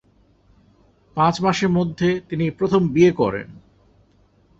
পাঁচ মাসের মধ্যে তিনি প্রথম বিয়ে করেন।